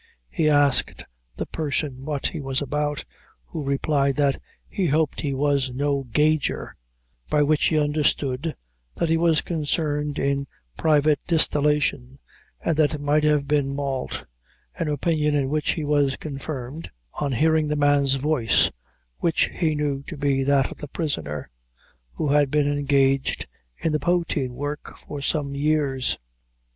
He asked the person what he was about, who replied that, "he hoped he was no gauger;" by which he understood that he was concerned in private distillation, and that it might have been malt; an opinion in which he was confirmed, on hearing the man's voice, which he knew to be that of the prisoner, who had been engaged in the poteen work for some years.